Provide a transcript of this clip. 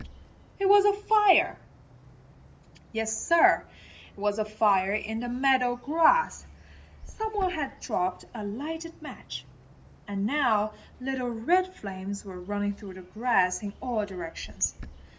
It was a fire! Yes, Sir, it was a fire in the meadow grass! Some one had dropped a lighted match, and now little red flames were running through the grass in all directions.